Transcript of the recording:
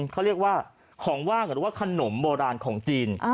เขาเรียกว่าของว่างหรือว่าขนมโบราณของจีน